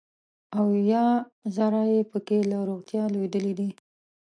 اویا زره یې پکې له روغتیا لوېدلي دي.